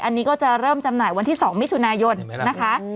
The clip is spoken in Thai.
อันนี้ก็จะเริ่มจำหน่ายวันที่๒มิถุนายนนะคะ